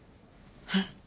えっ？